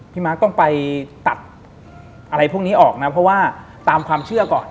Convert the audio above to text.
มาร์คต้องไปตัดอะไรพวกนี้ออกนะเพราะว่าตามความเชื่อก่อน